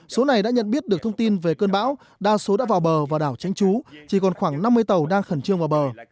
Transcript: số này đã nhận biết được thông tin về cơn bão đa số đã vào bờ và đảo tránh trú chỉ còn khoảng năm mươi tàu đang khẩn trương vào bờ